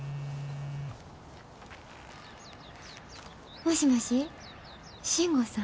もしもし信吾さん？